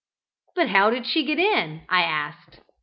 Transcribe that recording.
"But how did she get in?" I asked.